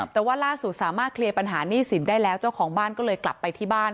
แต่ว่าล่าสุดสามารถเคลียร์ปัญหาหนี้สินได้แล้วเจ้าของบ้านก็เลยกลับไปที่บ้าน